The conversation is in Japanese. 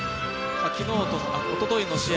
おとといの試合